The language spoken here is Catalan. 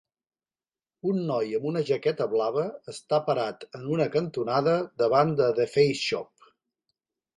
Un noi amb una jaqueta blava està parat en una cantonada davant de THEFACESHOP.